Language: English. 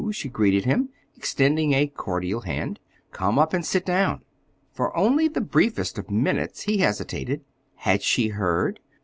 she greeted him, extending a cordial hand. "Come up and sit down." For only the briefest of minutes he hesitated. Had she heard?